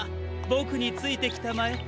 ボクについてきたまえ！